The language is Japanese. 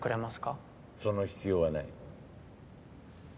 その必要はない。